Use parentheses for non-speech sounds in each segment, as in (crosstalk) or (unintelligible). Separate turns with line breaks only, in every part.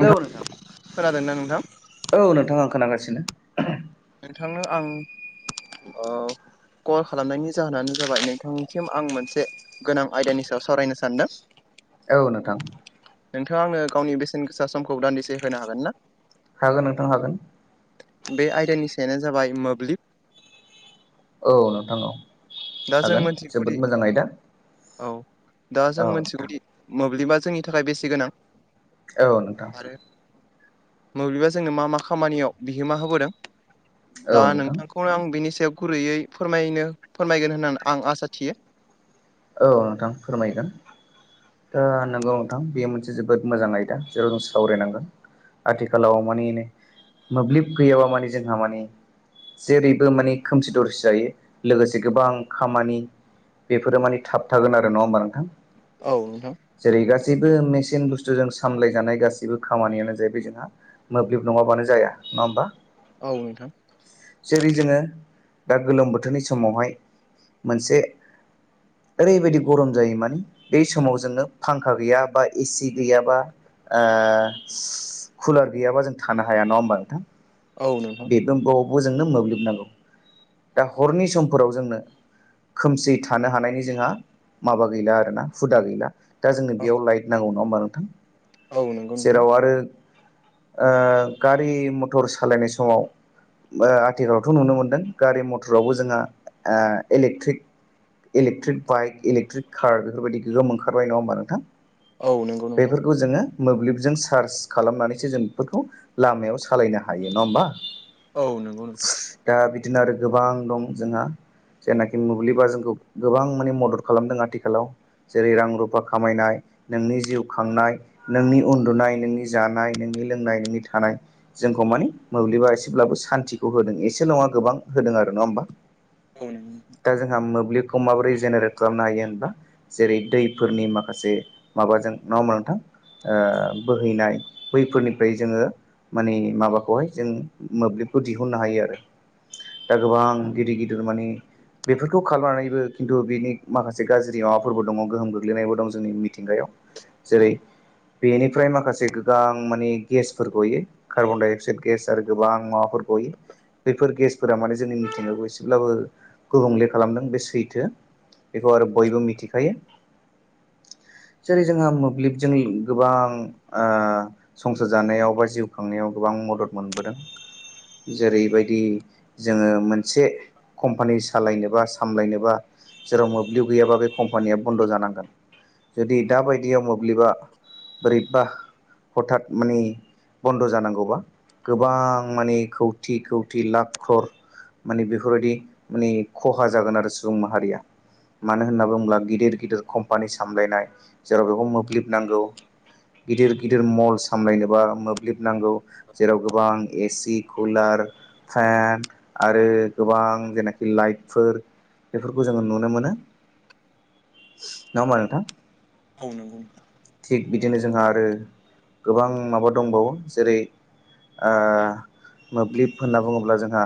नोंथां खोनादोंना नोंथां?
औ नोंथां आं खोनागासिनो। (unintelligible)
नोंथांनो आं ओ कल खालामनायनि जाहोनानो जाबाय नोंथांनिसिम आं मोनसे गोनां आयदानि सायाव सावरायनो सानदों।
औ नोंथां।
नोंथाङा आंनो गावनि बेसेन गोसा समखौ दान्दिसे होनो हागोन ना?
हागोन नोंथां हागोन।
बे आयदानि सायानो जाबाय मोब्लिब
औ नोंथां औ।
दा जों
हागोन
मोनथिगौदि
जोबोद मोजां आयदा
औ दा जों
औ नोंथां
मोनथिगौदि मोब्लिबा जोंनि थाखाय बेसे गोनां
औ नोंथां
आरो मोब्लिबा जोंनो मा मा खामानियाव बिहोमा होबोदों?
औ
दा
नोंथां
नोंथांखौनो आं बिनि सायाव गुरैयै फोरमायनो फोरमायगोन होननानै आं आसा थियो।
औ नोंथां फोरमायगोन दा नंगौ नोंथां। बे मोनसे जोबोद मोजां आयदा जेराव जों सावरायनांगोन आथिखालाव मानि मोब्लिब गैयाबा माने जोंहा माने जेरैबो माने खोमसि दरसि जायो लोगोसे गोबां खामानि बेफोरो माने थाबथागोन आरो नङा होमबा नोंथां।
औ नोंथां।
जेरै गासैबो मेसिन बुस्थुजों सामलाय जानाय गासैबो खामानियानो जाहैबाय जोंहा मोब्लिब नङाबानो जाया नङा होमबा।
औ नोंथां।
जेरै जोङो दा गोलोम बोथोरनि समावहाय मोनसे ओरैबायदि गरम जायो माने बे समाव जोङो फांखा गैया बा ए सि गैयाबा ओ कुलार गैयाबा जों थानो हाया नंङा होमबा नोंथां?
औ नों
जों बावबो जोंनो मोब्लिब नांगौ दा हरनि समफोराव जोंनो खोमसि थानो हानायनि जोंहा माबा गैला आरोना हुदा गैला। दा जोंनो
औ
बेयाव लाइट नांगौ नङा होमबा नोंथां
औ नंगौ नोंथां
जेराव आरो ओ गारि मथर सालायनाय समाव ओ आथिखालावथ' नुनो मोन्दों गारि मथरावबो जोंहा ओ electric electric bike electric car बेफोरबायदि गोगोम ओखारबाय नङा होमबा नोंथां।
औ नंगौ नोंथां
बेफोरखौ जोङो मोब्लिबजों सार्स खालामनानैसो जों बेफोरखौ लामायाव सालायनो हायो नङा होमबा।
औ नंगौ नोंथां।
दा बिदिनो आरो गोबां दं जोंहा। जायनाखि मोब्लिबा जोंखौ गोबां माने मदद खालामदों आथिखालाव। जेरै रां रुफा खामायनाय। नोंनि जिउ खांनाय नोंनि उन्दुनाय नोंनि जानाय नोंनि लोंनाय नोंनि थानाय जोंखौ मानि मोब्लिबा एसेब्लाबो सान्तिखौ होदों एसे नङा गोबां होदों आरो नङा होमबा।
(unintelligible)
दा जोंहा मोब्लिबखौ माबोरै जेनेरेट खालामनो हायो होनबा जेरै दैफोरनि माखासे माबाजों नङा होमबा नोंथां ओ बोहैनाय बैफोरनिफ्राय जोङो माने माबाखौहाय जों मोब्लिबखौ दिहुननो हायो आरो दा गोबां गिदिर गिदिर माने बेफोरखौ खालामनानैबो खिन्थु बिनि माखासे गाज्रि माबाफोरबो दङ गोहोम गोग्लैनायबो दं जोंनि मिथिंगायाव। जेरै बेनिफ्राय माखासे गोबां माने गेसफोर गयो कार्बन डाइ अक्साइद। गेस आरो गोबां माबाफोर गयो। बैफोर गेसफोरा माने जोंनि मिथिंगाखौ एसेब्लाबो गुबुंले खालामदों बे सैथो। बेखौ आरो बयबो मिथिखायो। जेरै जोंहा मोब्लिबजोनि गोबां ओ संसार जानायाव बा जिउ खांनायाव गोबां मदद मोनबोदों। जेरैबायदि जोङो मोनसे कम्पानि सालायनोबा सामलायनोबा जेराव मोब्लिब गैयाबा बे कम्पानिया बन्द' जानांगोन जुदि दाबायदियाव मोब्लिबा बोरैबा हथात माने बन्द' जानांगौबा गोबां माने खौथि खौथि लाख ख्रर। मानि बेफोरबायदि मानि खहा जागोन आरो सुबुं माहारिया। मानो होनना बुङोब्ला गिदिर गिदिर कम्पानि सामलायनाय जेराव बेवबो मोब्लिब नांगौ। गिदिर गिदिर मल सामलायनोबा मोब्लिब नांगौ। जेराव गोबां एसि कुलार फेन आरो गोबां जेनाखि लाइटफोर बेफोरखौ जोङो नुनो मोनो। नङा होमबा नोंथां।
औ नंगौ औ नंगौ नोंथां
थिग बिदिनो जोंहा आरो गोबां माबा दंबावो जेरै ओ मोब्लिब होनना बुङोब्ला जोंहा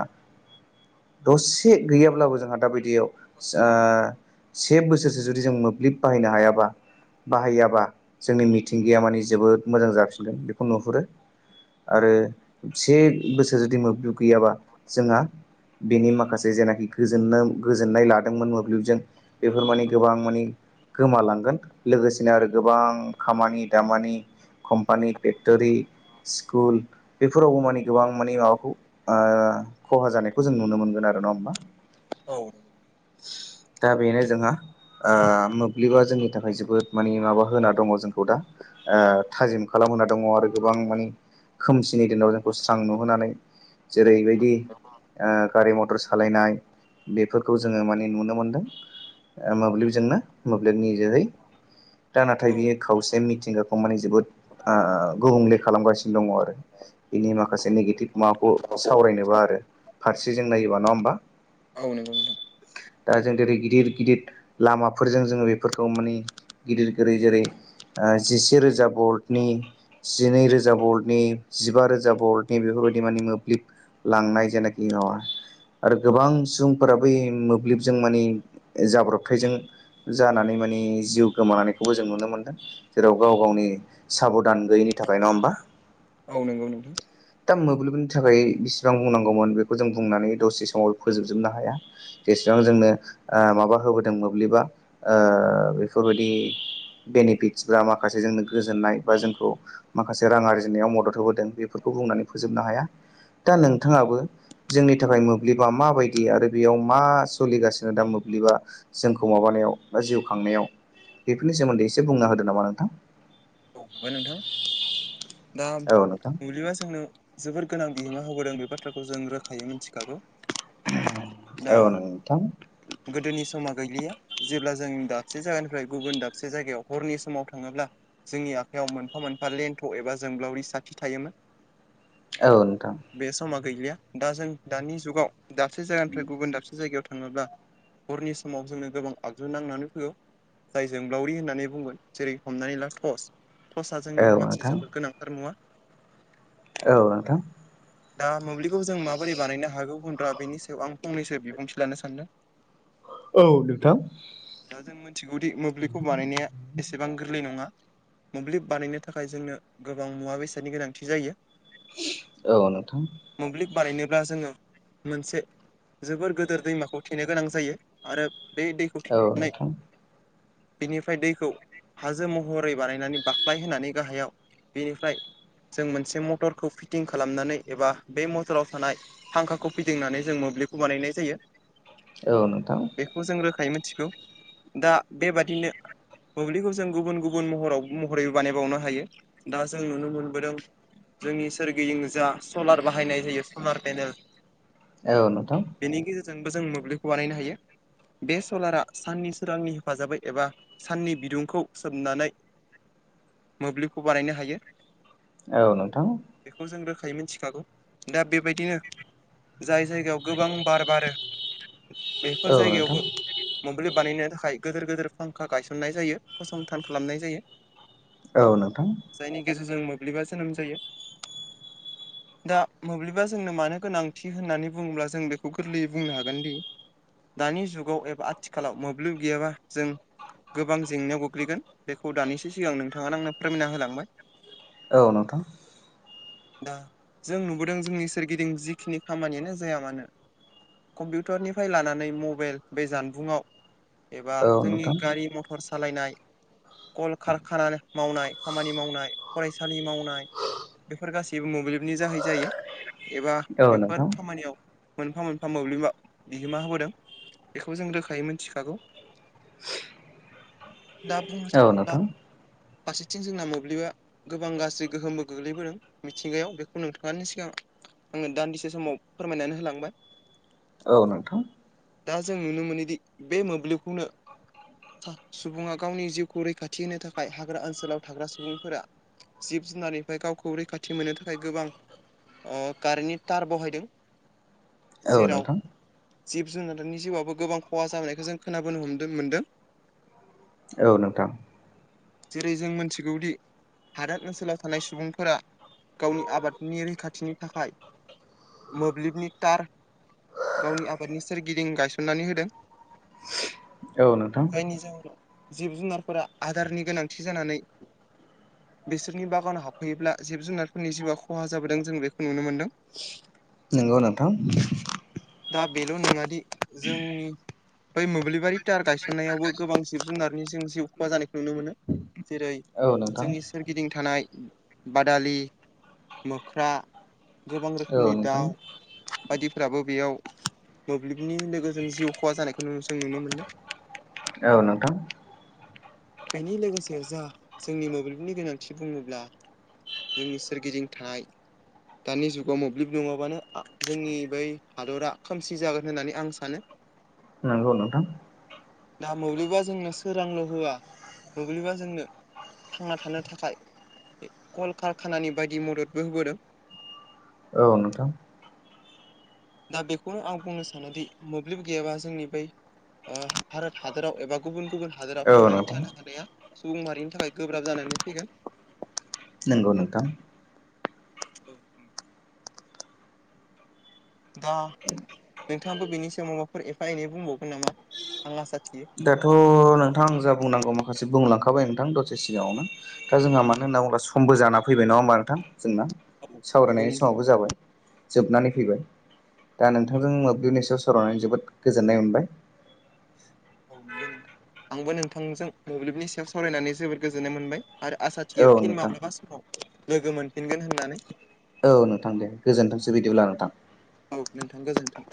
दसे गैयाब्लाबो जोंहा दााबायदियाव जो से बोसोरसो जुदि जों मोब्लिब बाहायनो हायाबा, बाहायाबा जोंनि मिथिंगाया मानिे जोबोद मोजां जाफिनगोन बेखौ नुहुरो। आरो से बोसोर जुदि मोब्लिब गैयाबा जोंहा बेनि माखासे जेनाखि गोजोन गोजोननाय लादोंमोन मोब्लिबजों बेफोर मानिे गोबां मानि गोमालांगोन लोगोसेनो आरो गोबां खामानि दामानि कम्पानि फेक्टरि। स्कुल बेफोरावबो मानि गोबां मानि माबाखौ ओ खहा जानाय। खौ जों नुनो मोनगोन आरो नङा होनबा।
औ
दा बेनो जोंहा ओ मोब्लिबा जोंनि थाखाय जोबोद मानि माबा होना दङ जोंखौ दा। ओ थाजिम खालामहोना दङ आरो गोबां माने खोमसिनि दिनाव जोंखौ स्रां नुहोनानै। जेरैबायदि ओ गारि मथर सालायनाय बेफोरखौ जोङो माने नुनो मोनदों। ओ मोब्लिबजोंनो मोब्लिबनि जोहै, दा
औ
नाथाय बियो खावसे मिथिंगा खौ माने जोबोद गुबुंले खालामगासिनो दङ आरो। बिनि माखासे नेगेटिभ माबाखौ सावरायनोबा आरो फारसे जों नायोबा, नङा होमबा?
औ नंगौ नोंथां।
दा जों दिेरै गिदिर गिदिर लामाफोरजों जोङो बेफोरखौ माने गिदिर गोदै जेरै जिसे रोजा भल्टनि जिनै रोजा बरल्टनि जिबा रोजा बरल्टनि बेफोरबायदि माने मोब्लिब लांनाय जेनाखि (unintelligible) आरो गोबां सुबुंफोराबै मोब्लिबजों माने जाब्रबथायजों जानानै माने जिउ गोमानायखौबो जों नुनो मोनदों। जेराव गाव गावनि साबधान गैयिनि थाखाय नङा होमबा?
औ नंगौ नोंथां।
दा मोब्लिबनि थाखाय बेसेबां बुंनांगौमोन बेखौ जों बुंनानै दसे समाव फोजोबजोबनो हाया। जेसेबां जोंनो ओ माबा होबोदों मोब्लिबा ओ बेफोरबायदि बेनिफिटस बा माखासे जोंनो गोजोननाय बा जोंखौ माखासे रां आरजिनायाव मदद होबोदों बेफोरखौ बुंनानै फोजोबनो हाया दा नोंथाङाबो जोंनि थाखाय मोब्लिबा माबायदि आरो बेयाव मा सोलिगासिनो दा मोब्लिबा जोंखौ माबानायाव बा जिउ खांनायाव बेफोरनि सोमोन्दै एसे बुंना होदो नामा नोंथां।
औ फंबाय नोंथां, दा
औ नोंथां
मोब्लिबा जोंनो जोबोर गोनां बिहोमा होबोदों बे बाथ्राखौ जों रोखायै मिथिखागौ। दा
औ नोंथां।
गोदोनि समा गैलिया, जेब्ला जों दाबसे जायगानिफ्राय गुबुन दाबसे जायगायाव हरनि समाव थाङोब्ला जोंनि आखायाव मोनफा मोनफा लेन्थ' एबा जोंब्लावरि साथि थायोमोन।
औ नोंथां।
बे समा गैलिया दा जों दानि जुगाव दाबसे जायगानिफ्राय गुबुन दाबसे जायगायाव थाङोब्ला हरनि समाव जोंनो गोबां आगजु नांनानै फैयो, जाय जोंलावरि होननानै बुंगोन जेरै हमनानै ला टर्स। टर्सआ
औ
जोंनि मोनसे
नोंथां
जोबोद गोनांथार मुवा।
औ नोंथां।
दा मोब्लिबखौ जों माबोरै बानायनो हागौ होनब्ला बेनि सायाव आं फंनैसो बिबुंथि लानो सानदों।
औ नोंथां।
दा जों मिथिगौदि मोब्लिखौ बानायनाया एसे सेबां गोरलै नङा मोब्लिब बानायनो थाखाय जोंनो गोबां मुवा बेसादनि गोनांथि जायो।
औ नोंथां
मोब्लिब बानायनोब्ला जोङो मोनसे जोबोर गोदोर दैमाखौ थेनो गोनां जायो आरो बे दैखौ
औ
थेनानै
नोंथां
बिनिफ्राय दैखौ हाजो महरै बानायनानै बाख्लाय होनानै गाहायाव बेनिफ्राय जों मोनसे मटरखौ फिटिं खालामनानै एबा बे मटराव थानाय फांखाखौ फैदिंनानै जों मोब्लिबखौ बानायनाय जायो।
औ नोंथां
बेखौ जों रोखायै मिथिगौ। दा बेबादिनो मोब्लिबखौ जों गुबुन गुबुन महराव महरैबो बानायबावनो हायो। दा जों नुनो मोनबोदों जोंनि सोरगिदिं जा सलार बाहायनाय जायो सलार पेनेल
औ नोंथां।
बेनि गेजेरजोंबो जों मोब्लिबखौ बानायनो हायो बे सलारा साननि सोरांनि हेफाजाबै एबा साननि बिदुंखौ सोमनानै मोब्लिबखौ बानायनो हायो।
औ नोंथां।
बेखौ जों रोखायै मिथिखागौ दा बेबायदिनो जाय जायगायाव गोबां बार बारो बेफोर
औ नोंथां
जायगायावबो मोब्लिब बानायनो थाखाय गोदोर गोदोर फांखा गायसननाय जायो फसंथान खालामनाय जायो।
औ नोंथां
जायनि गेजेरजों मोब्लिबा जोनोम जायो। दा मोब्लिबा जोंनो मानो गोनांथि होननानै बुङोब्ला जों बेखौ गोरलैयै बुंनो हागोन दि दानि जुगाव एबा आथिखालाव मोब्लिब गैयाबा जों गोबां जेंनायाव गोग्लैगोन बेखौ दानिसो सिगां नोंथाङानो आंनो फोरमायना होलांबाय।
औ नोंथां
दा जों नुबोदों जोंनि सोरगिदिं जिखिनि खामानियानो जाया मानो कम्पिउटारनिफ्राय लानानै मबाइल बे जानबुंआव एबा
औ नोंथां औ
जोंनि गारि मथर थर सालायनाय कल खारखाना मावनाय खामानि मावनाय फरायसालि मावनाय। बेफोर गासैबो मोब्लिबनि जाहै जायो। एबा बेफोर
नोंथां
खामानियाव मोनफा मोनफा मोब्लिबा बिहोमा होबोदों बेखौ जों रोखायै मिथिखागौ। दा बुंनो
औ
थाङोब्ला
नोंथां
फारसेथिं जोंना मोब्लिबा गोबां गाज्रि गोहोमबो गोग्लैबोदों मिथिंगायाव बेखौ नोंथांनि सिगांआव आङो दान्दिसे समाव फोरमायनानै होलांबाय।
औ नोंथां
दा जों नुनो मोनोदि बे मोब्लिबखौनो सुबुङा गावनि जिउखौ रैखाथि होनो थाखाय हाग्रा ओनसोलाव थाग्रा सुबुंफोरा जिब जुनारनिफ्राय गावखौ रैखाथि मोननो थाखाय गोबां अ कारेन्टनि थटार बहायदों।
औ
जेराव
नोंथां
जिब जुनारनि जिउआवबो गोबां खहा जाबोनायखौ जों खोनाबोनो हमदों मोनदों।
औ नोंथां
जेरै जों मिथिगौदि हादोर ओनसोलाव थानाय सुबुंफोरा गावनि आबादनि रैखाथिनि थाखाय मोब्लिबनि थार गावनि आबादनि सोरगिदिं गायसननानै होदों
औ नोंथां
जायनि जाहोनाव जिब जुनारफोरा आदारनि गोनांथि जानानै बिसोरनि बागानाव हाबफैयोब्ला जिब जुनारफोरनि जिउआ खहा जाबोदों जों बेखौ नुनो मोनदों।
नंगौ नोंथां
दा बेल' नङादि जोंनि बै मोब्लिबारि तार गायसननायावबो गोबां जिब जुनारनि जों जिउ खहा जानायखौ नुनो मोनो जेरै
औ नोंथां
जोंनि सोरगिदिं थानाय बादालि मोख्रा गोबां रोखोमनि
औ नोंथां
दाउ बायदिफ्राबो बेयाव मोब्लिबनि लोगोजों जिउ खहा जानायखौ जों नुनो मोनो
औ नोंथां
बेनि लोगोसे जा जोंनि मोब्लिबनि गोनांथि बुङोब्ला जोंनि सोरगिदिं थानाय दानि जुगाव मोब्लिब नङाबानो आ जोंनि बै हादरा खोमसि जागोन होननानै आं सानो।
नंगौ नोंथां
दा मोब्लिबा जोंनो सोरांल' होआ मोब्लिबा जोंनो थांना थानो थाखाय कल कारखानानि बायदि मददबो होबोदों।
औ नोंथां
दा बेखौनो आं बुंनो सानोदि मोब्लिब गैयाबा जोंनि बै ओ भारत हादराव एबा गुबुन गुबुन हादोराव
औ
थांनानै
नोंथां
थानो हानाया सुबुं माहारिनि थाखाय गोब्राब जानानै फैगोन।
नंगौ नोंथां
औ दा नोंथाङाबो बिनि सायाव माबाफोर एफा एनै बुंबावगोन नामा आं आसा थियो
दाथ' नोंथां आं जा बुंनांगौ माखासे बुंलांखाबाय नोंथां दसे सिगाङावनो दा जोंहा मानो होनना बुंब्ला समबो जाना फैबाय नङा होमबा नोंथां जोंना
औ नंगौ
सावरायनायनि
नोंथां
समाबो जाबाय। जोबनानै फैबाय दा नोंथांजों मोब्लिबनि सायाव सावरायनानै जोबोद गोजोननाय मोनबाय
औ नोंगौ नोथां आंबो नोंथांजों मोब्लिबनि सायाव सावरायनानै जोबोद गोजोननाय मोनबाय। आरो आसा
औ
थियो फिन
नोंथां
माब्लाबा समाव लोगो मोनफिनगोन होननानै
औ नोंथां दे गोजोन्थोंसै बिदिब्ला नोंथां
औ नोंथां गोजोन्थों।